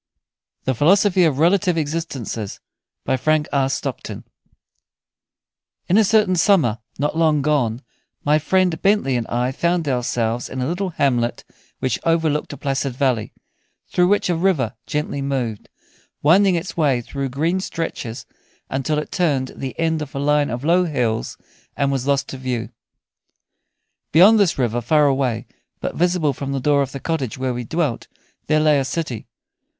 "THE PHILOSOPHY OF RELATIVE EXISTENCES" In a certain summer, not long gone, my friend Bentley and I found ourselves in a little hamlet which overlooked a placid valley, through which a river gently moved, winding its way through green stretches until it turned the end of a line of low hills and was lost to view. Beyond this river, far away, but visible from the door of the cottage where we dwelt, there lay a city.